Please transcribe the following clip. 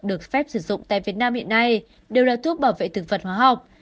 được phép sử dụng tại việt nam hiện nay đều là thuốc bảo vệ thực vật hóa học